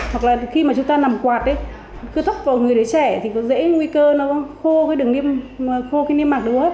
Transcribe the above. hoặc là khi mà chúng ta nằm quạt cứ thấp vào người đứa trẻ thì có dễ nguy cơ nó khô cái niêm mạc đúng không